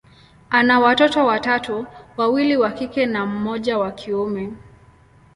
ana watoto watatu, wawili wa kike na mmoja wa kiume.